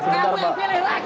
kamu yang pilih rakyat